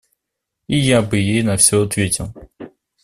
И я бы ей на все ответил.